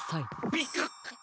ビクッ！